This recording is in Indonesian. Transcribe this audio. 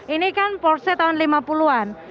ini kan porse tahun lima puluh an